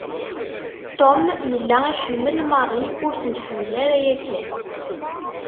Tom yella iḥemmel Marie ur t-nḥemmel ara yakk.